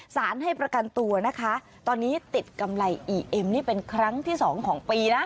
สารให้ประกันตัวนะคะตอนนี้ติดกำไรอีเอ็มนี่เป็นครั้งที่สองของปีนะ